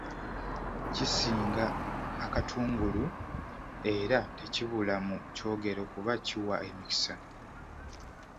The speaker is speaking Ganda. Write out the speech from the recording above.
Kisinga akatungulu era tekibula mu kyogero kuba kiwa emikisa.